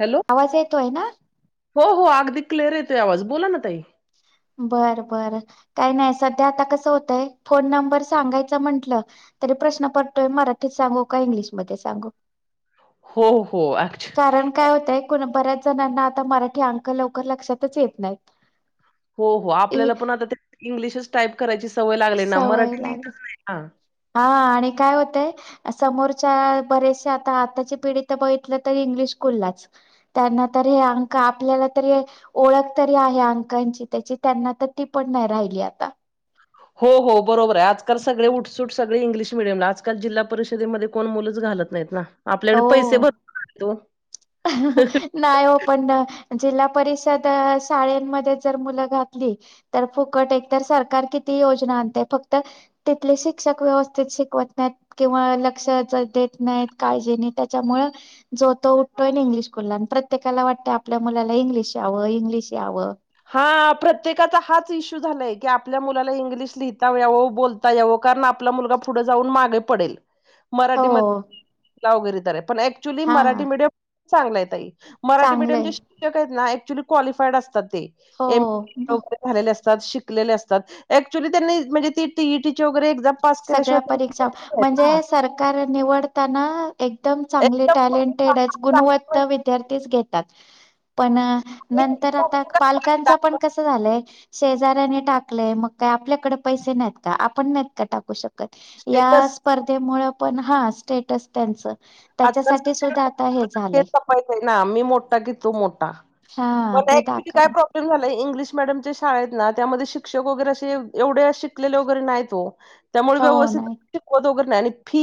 Hello, आवाज येतो आहे ना? हो हो अगदी क्लेिअर येतोय आवाज, बोला ना ताई बर बर काय नाही, सध्या आता कस होतंय फोन नंबर सांगायचा म्हंटलं तरी प्रश्न पडतोय, मराठीत सांगू का इंग्लिशमध्ये सांगू. हो, हो. ॲक्चु कारण अ, काय होतय कोण बऱ्या [unintelligible] आता मराठी अंक लवकर लक्षातच येत नाइत. हो हो आपल्याला पण आता [unintelligible] इंग्लिशच टाईप करायची, स सवय लागली ना, सवय मराठी लागली लिहतच नई ना हा आणि काय होतय समोरच्या बरेचसे आता आताची पिढी तर बघितलं त इंग्लिशकुललाच त्यांना तर हे अंक आपल्याला तरी ओळख तरी आहे अंकांची त्याची त्यांना तर ती पण नाही राहिली आता हो हो बरोबर आहे आजकाल सगळे उठसुट सगळे इंग्लिश मिीडियमला आजकाल जिल्हा परिषदेमध्ये कोण मुलच घालत नाहीत ना हो आपल्याकडे पैसे भरपूर आहेत ओ. नाही हो पण जिल्हा परिषद शाळेमध्ये जर मुलं घातली तर फुकट एक तर सरकार किती योजना आणते फक्त तिथले शिक्षक व्यवस्थित शिकवत नाहीत किंवा लक्ष देत नाहीत काळजी नाही त्याच्यामुळे जोतो उठतोय इंग्लिशकुलला प्रत्येकाला वाटते आपल्या मुलाला इंग्लिश यावं इंग्लिश यावं. हा प्रत्येकाचा हाच इश्यू झालाय की आपल्या मुलाला इंग्लिश लिहिता यावं बोलता यावं कारण आपला मुलगा पुढं जाऊन मागे पडेल. हो मराठीमध्ये वगैरे तर आहे पण ऍक्च्युली हा मराठी मीडियम चांगलाय त मराठी मीडियम चांगलंय शिक्षक आहेत. क््युली क्लिफाड असतात ते. हो एम ल मग झालेले अस. असातली म्ह वरे सगळ्या परीक्षा म्हणजे सरकार निवडताना एक. एकदम चांगले एकदम टॅलेंटेडच गुणवत्ता विद्यार्थीच घेतात. पण नंतर आता पालकांचा पण कसं झालंय. शेजऱ्यानी टाकले मग काही आपल्याकडे पैसे नाहीत का आपण. कटाकू शको. या स्टेटस स्पर्धेमुळे पण हा स्टेटस त्यांचं आजपाय ना मी मोठा की तू मोठा हा पण ते काय दाखवण प्रॉब्लेम झालाय इंग्लिश मडमच्या शाळेत ना त्यामध्ये शिक्षक वगैरे असे एवढे शिकलेले वगैरे नाही त्यामुळे हो व्यवस्थितगैरे नाही नाही फी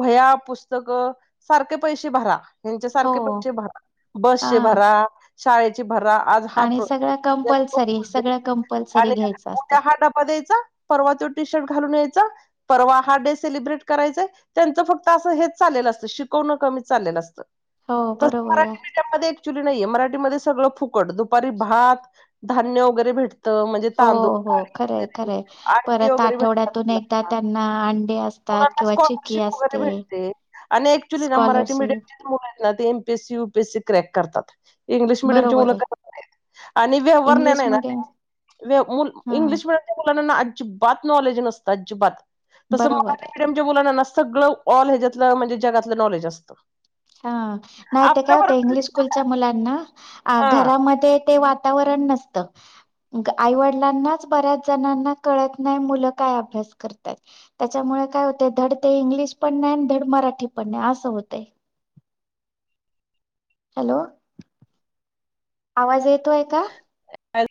वया पुस्तकं सारखे पैसे भरा ह्यांच्या हो सारखे पैसे भरा हा बसचे भरा शाळेचे भरा आज हा [inaudible] आणि सगळं कंपल्सरी सगळं कंपल्सरी आणि घ्यायचं असतं उद्या हा डबा द्यायचा परवा तो टी शर्ट घालून यायचा परवा हा डे सेलिब्रेट करायचाय त्यांच फक्त असं हेच चाललेल अस शिकवण कमी चाललेलं असतं हो तर बरोबर मराठी आहे मीडियम मध्ये अ‍ॅक्च्युअली नाही मराठीमध्ये सगळं फुकट दुपारी भात धान्य वगैरे भेट हो हो खरय खरय अंडी परत वगैरे भेटतात आठवड्यातून एकदा मुलांना त्यांना अंडे असतात मुलांना किंवा चिक्की स्कॉलरशिप वगैरे असते भेटते आणि अ‍ॅक्च्युअली ना मराठी स्कॉलरशिप मिडियमचीच मुलं आहेत. ना ते एमपीएसी युपीएसी क्रॅक करतात. इंग्लिश मिडियम ची बरोबर आहे मुलं करत नाहीत आणि व्यवहार न्यान इंग्लिश आहे ना मिडियम व्य मुल हा इंग्लिश मिडियमच्या मुलाना ना अजि जिबात नॉलेज नसत अजिबात! तसं बरोबर मराठी आहे मिडीयम च्या मुलांना नस सगळं ऑल ह्याच्यातल म्हणजे जगातलं नॉलेज असत. हा नाही ते काय होतं, इंग्लिश स्कूलच्या मुलांना आ हा घरामध्ये. ते वातावरण नसत. आईवडिलांनाच बऱ्याच जणांना कळत नाही मुलं काय अभ्यास करतात. त्याच्यामुळे काय होत धड ते इंग्लिश पण नाही आणि धड मराठी पण नाही अस होतय. हॅलो आवाज येतोय का? हॅल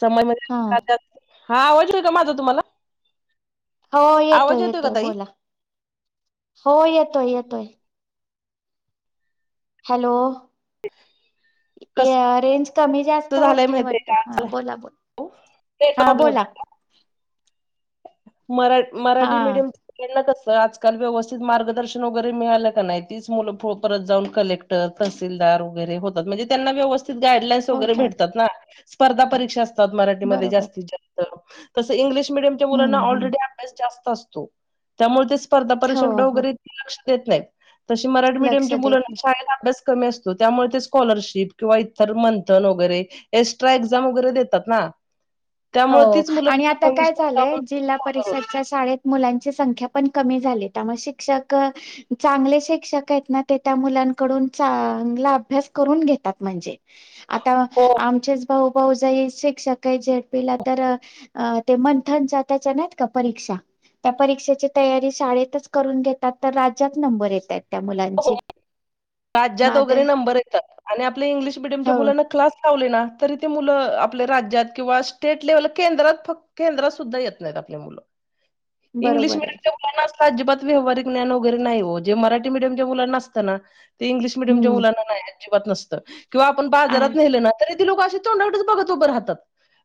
समई हा मध्ये [unintelligible] हा आवज येईल का माझ तुम्हाला? हो आवाज येतोय का येतोय ताई बोला. हो येतोय येतोय हॅलो! कसं या रेंज कमी जास्त झालंय होतीय माहितीय वाटत का ह बोला नेट बला हा प्रॉब्लेम बोला मरा हा मराठी मीडियम यांना कस तर आजकाल व्यवस्थित मार्गदर्शन वगैरे मिळालं का नाही, तीच मुलं फुळ परत जाऊन कलेक्टर तहसीलदार वगैरे होतात. म्हणजे त्यांना व्यवस गाईडलाईन्स वगैरे होतात भेटतात ना! स्पर्धा परीक्षा अस तात मराठीमध्ये बरोबर जास्तीत जास्त तसं इंग्लिश मिड हम्म मुलांना हम्म ऑलरडी अभ्यास जास् असतो त्यामुळे ते स्पर्धा हो परीक्षक हो डगैरे लक्ष [unintelligible] तेेत नाही. तशी मराठी लक्ष मीडियमच्या मुला देत नाही. शाळेला अभ्यास, कमीअस त्या त्यामुळे स्कॉलरशिप किवा इर मंथन वगैरे एक्ट्रा एक्झाम वैरे दात ना! त्यामुळे हो तीच मुलं आणि आता काय. कसं भविष्यात झालंय जाऊन जिल्हा स्कॉलर होतात. परिषद च्या शाळेत म मुलांची संख्या पण क झाली त्या शिक्षक चांगले शिक्षक आहेत ना! ते त्या मुलांकडून चांगला अभ्यास करून घेतात म्हणजे. आता हो, आमच्याच भाऊ भाऊ जाई शिक्षक आहे जे. तर ते मंथनचा त्याच्या नाही का परीक्षा त्या परीक्षेची तयारी शाळेतच करून घेतात तर राज्यात नंबर येतात राज्यात माद वगैरे नंबर येतात आणि आपल्या इंग्लिश मिडियमच्या हो मुलांना क्लास लाव ना तरी ते मुलं आपल्या राज्यात किंवा स्टेट लेव्हल केंद्रात फक् केंद्रात सुद्धा येत नाहीत आपल्या मुलं इंग्लिश बरोबर आहे मिीडियम ते ब असता अजिबात व्ञान वगैर नाही जे मराठी मीडयम नतना ते इंग्िश मिडयमच्या हम्म मुलांना नाही अजिबात नसत किंवा आपण आ बाजारात नेले ना तरी लोक तेच बघत उभं राहतात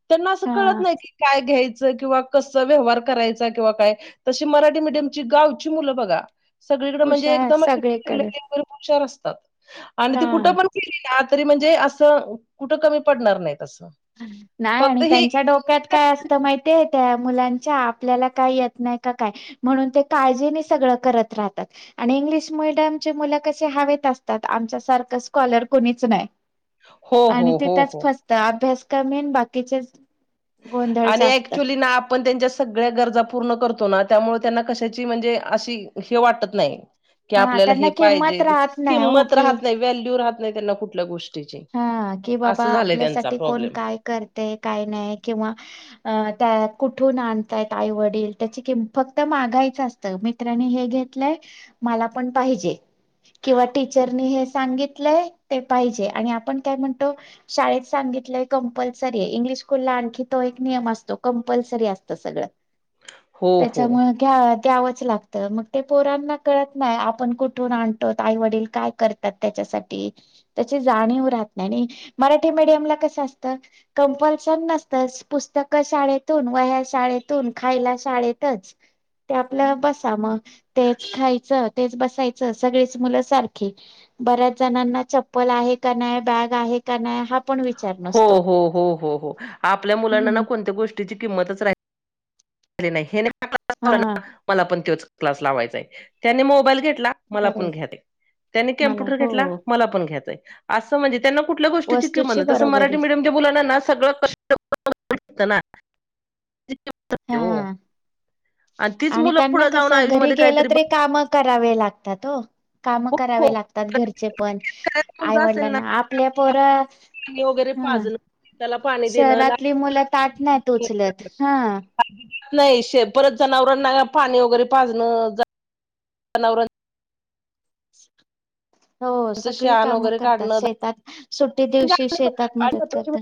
त्यांना असं हा कळत नाही की काय घ्यायच किंवा क व्यवार करायचा किंवा काय तशी मराठी मडयमची गावची मुलं बघा सगळीकडें म्हणजे एकदम अ कडे उपचार असतात आणि ती कुठं पण गेली ना तरी म्हणजे असं कुठं कमी पडणार नाहीत असं नाही फक्त आणि ही त्यांच्या डोक्यात काय असतं माहिती त्या मुलांच्या आपल्याला काय येत नाही का काय म्हणून ते काळजीने सगळं करत राहतात आणि इंग्लिश मडम मुलं कशी हवेत असतात आमच्या सारख स्कॉलर कोणीच नाही हो, आणि हो, ते हो, त्याच हो. फसत अभ्यास का मेन बाकीच्याच आणि ऍक्च्युली ना आपण त्यांच्या सगळ्या गरजा पूर्ण करतो ना त्यामुळे त्यांना कशाची म्हणजे अशी हे वाटत नाही की हां आपल्याला त्यांना हे किंमत पाहिजे ते राहत नाही ओ किंमत की राहत नाही व्हॅल्यू राहत नाही त्यांना कुठल्या गोष्टी हा कि बाबा आपल्यासाठी कोण प्रॉब्लेम काय करते काय नाही किंवा त्या कुठून आणतायत आईवडील त्याची फक्त मागायचं असतं मित्रांनी हे घेतलंय मला पण पाहिजे किंवा टीचरनी हे सांगित पाजे आपण काय म्हणतो शाळेत सांगितलं कंपल्सरी आहे इंग्लिश स्कूलला आणखी तो एक नियम असतो कंपल्सरी असतं सगळ हो हो त्याच्यामु का्या लागत मग पोरांना कत नाही आपण कुठून आणो आई वडील काय करतात त्याच्यासाठी त्या जाणीव मराठी मडयम कस असत कपल् नसत पुस्तक शाळेतून व शाळेतून खायला शाळेतच ते आपलं बसा म तेच खायचं तेच बसायच सगळीच मुलं सारखी. बऱ्याच जणांना चप्पल आहे का नाही बॅग आहे का नाही हा पण विचार हो नसतो. हो हो हो हो आपल्या मुलांना ना हम्म. कोणत्या गोष्टीची किंमतच राहि हिली नाही हे हा [unintelligible] मला पण त्योच क्लास लावायचाय त्यानी मोबाईल घ मला पण बरोबर घ्या ते, त्यांनी मला कम्प्युटर हो घेतला मला पण घ्यायचाय आस म्हजें त्यांना कुठल्या गोष्टीची किंमत वस्तूची नई. तसं बरोबर मराठी आहे मीडियम ज बोला ना सगळं कष्ट [unintelligible] ना. हा. येव आणि त्यांना कस, घरी गेलं काहीतरी तरी काम करावे लागतात ओ. काम हो करावे लागतात घरचे पण शेतकऱ्याचा मुलगा असेल ना आईवडिलांना. आपले पोर पाणी वगैरे ह. पाजणं त्याला पाणी देणं शहरातली मुलं ताट नाहीत उचलत हा. नाही श परत जनावरांना पाणी वगैरे पाजणं. जनावर हो सगळी शान कामं वगैरे करतात. काढणं शेतात सुट्टी दिवशी शेतात मदत करता.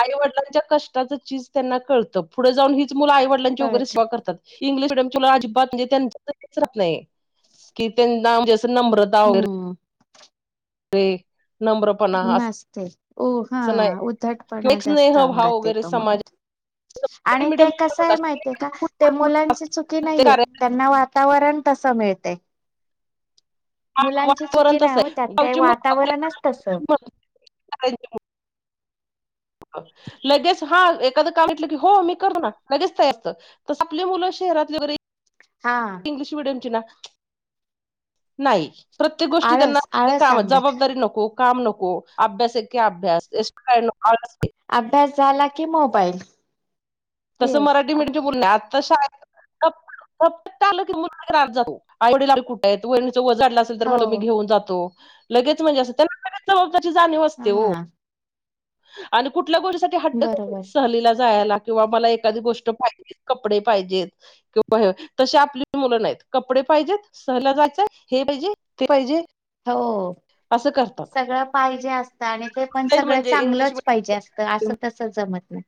आईवडलांच्या कष्टाच चीज त्यांना कळतं. पुढं जाऊन ही हिच मूल आईवडिलांची वगैरे कळत सेवा करतात. ही इग्लिश मिडीयम तुला अजिबात म्हणजे [unintelligible] की त्यांना म्हणजे असं नम्रता वगैरे हम्म ए. नसते ओ हा असं नाही उधट किंवा पणा एक जास्त स्नेह भाव अंगात वगैरे येतो. समाज मुलात, मराठी आणि मीडियम ते कस आहे माहिती आहे का ते मुलांची चुकी ते नाहीये त्यांना वातावरण तस मिळ ते मुलांची वातावरण चुकी नाही तसं हो आहे त्यात ते गावची मुलं वातावरणच तस. लगेच हा एखादं काय म्हटलं की हो मी कर ना लगेच तयार होतात. तस आपली मुलं शहरातली बरी हा इंग्लिश मीडयमची ना. नाही. प्रत्येक गोष्टीत त्यांना आळस आळस काम सांगत जबाबदारी नको. काम नको अभ्यास एके अभ्यास आहे. अभ्यास झाला की मोबाईल तसं येस मराठी मुलगी मुर्लात [unintelligible] ते ओझं आणलं असेल तर हो म्हटलं मी घेऊन जातो. लगेच म्हणजे अस् [unintelligible] त्याची जाणीव असते ओ. हा आणि कुट् कुठल्या गोष्टीसाठी हट्ट, बरोबर सहलीला जायला. किंवा मला एखादी गोष्ट पाहिजे, कपडे पाहिजेत, किंवा ह तसे आपली मुलं नाही कपडे पाहिजेत सहला जायचय हे पाहिजे ते पाहिजे. हो, असं करतात. सगळं पाहिजे असतं आणि ते पण नाहीत सगळं म्हणजे इंग्लिश चांगलंच पाहिजे असतं. मिडियम असं तस जमत [inaudible]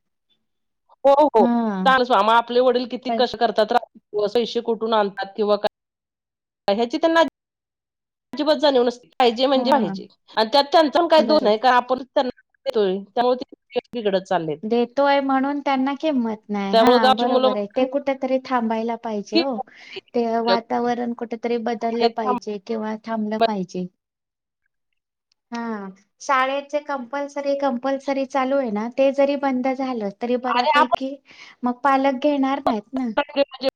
हो हो हा चालसो म आपले वडील किती पण कष्ट करतात. कसं ईशे कुठून आणत किंवा काही ह्याची त्यांना जिबात जानव नसती. पाहिजे म्हणजे हा पाहिजे. आणि त्यात त्यांच््््््काय दो नही बरोबर कारण आपण त्यांन तूळे त्यामुळे ती देतोय म्हणून त्यांना किंमत नाही. त्यामुळे हां गावची मुलं बरोबर आहे. ते म्हणतात कुठेतरी थांबायला पाहिजे की हो, ते वातावरण कुठेतरी हे बदललं थांबा. पाहिजे. किंवा थांबलं पाहिजे. हां, शाळेचे कंपल्सरी-कंपल्सरी चालू हे ना? ते जरी बंद झालं तरी आणि आपण बऱ्यापैकी मग पालक घेणार नाहीत. ना [unintelligible]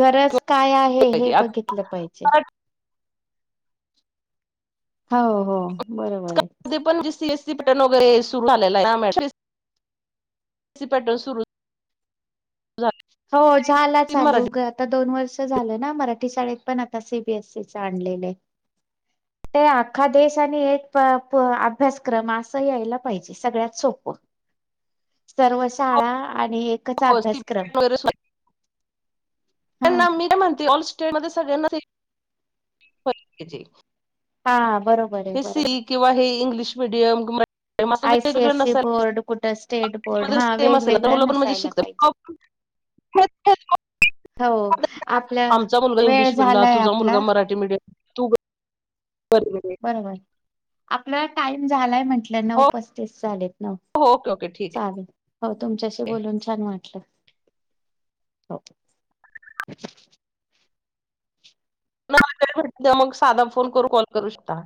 गरज काय आहे हे मध्ये बघितलं पाहिजे. हो-हो बरोबर आहे. सी पॅटर्न वगैरे सुरू झालेलाय हा मॅड? सी पॅटर्न सुरू झाले हो झाला चालू मराठी उगा आता दोन वर्ष झालं ना मराठी शाळेत. पण आता सी. बी. एसई च आणलेले, ते अख्खा देश आणि एक प-प अभ्यासक्रम असं यायला पाहिजे, सगळ्यात सोप्पं सर्व शाळा आणि एकच अभ्यासक्रम [unintelligible] वगैरे [unintelligible] हा त्यांना मी म्हणते ऑल सो खेळ मध्ये सगळ्यांनाच सी जे हा. बरोबर आहे हे बरोबर. सी किंवा हे इंग्लिश मिडियम [unintelligible] वेगवेगळं आयसीएससी नसायला बोर्ड कुठं [unintelligible] स्टेट बोर्ड मध्ये हा सेम असेल तर वेगवेगळ्या मुलं पण मजेत नसायला शिकता पाहिजे. [unintelligible] हो आपल्या आमचा मुलगा वेळ इंग्लिश मिडियमला झालाय तुझा मुलगा आपला मराठी मिडियम तू [unintelligible] आपला टाईम झालाय म्हण टलं नऊ हो पस्तीस झालेत नऊ हो ओके ओके ठीक चाले हो तुमच्याशी बोलून छान वाटलं. हो. [unintelligible] भट मग साधा फोन करून कॉल करू शकता.